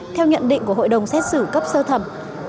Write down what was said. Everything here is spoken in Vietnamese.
theo nhận định của hội đồng xét xử cấp sơ thẩm